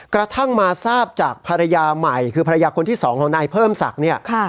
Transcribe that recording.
กระทั่งมาทราบจากภรรยาใหม่คือภรรยาคนที่สองของนายเพิ่มศักดิ์เนี่ย